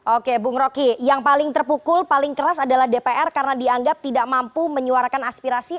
oke bung rocky yang paling terpukul paling keras adalah dpr karena dianggap tidak mampu menyuarakan aspirasi